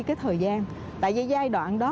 cái thời gian tại giai đoạn đó